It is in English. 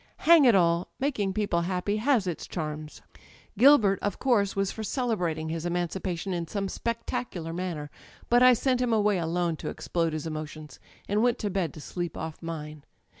Hang it all, making people happy has its charms "Gilbert, of course, was for celebrating his emanci pation in some spectacular manner; but I sent him away alone to explode his emotjons, and went to bed to sleep off mine.